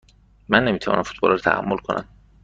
من نمی توانم فوتبال را تحمل کنم.